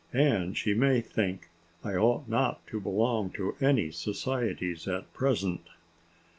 And she may think I ought not to belong to any societies at present."